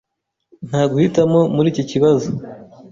Nta guhitamo muri iki kibazo.